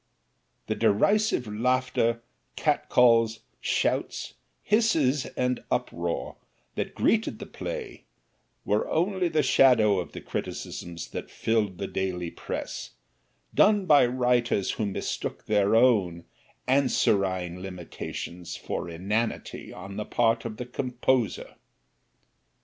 The derisive laughter, catcalls, shouts, hisses and uproar that greeted the play were only the shadow of the criticisms that filled the daily press, done by writers who mistook their own anserine limitations for inanity on the part of the composer.